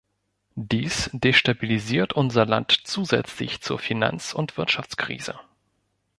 Dies destabilisiert unser Land zusätzlich zur Finanz- und Wirtschaftskrise.